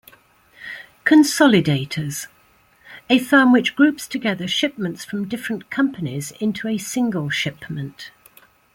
Consolidators: a firm which groups together shipments from different companies into a single shipment.